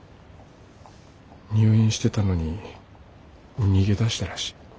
入院してたのに逃げ出したらしい。